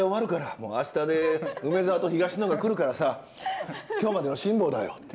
もうあしたで梅沢と東野が来るからさ今日までの辛抱だよ」って。